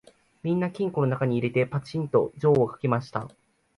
みんな金庫のなかに入れて、ぱちんと錠をかけました